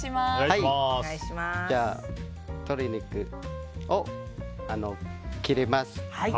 じゃあ、鶏肉を切ります。